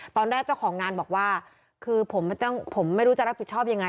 เจ้าของงานบอกว่าคือผมไม่รู้จะรับผิดชอบยังไง